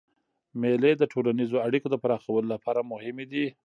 مېلې د ټولنیزو اړیکو د پراخولو له پاره مهمي دي.